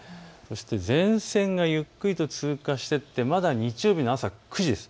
前線がゆっくりと通過していって日曜日の朝９時です。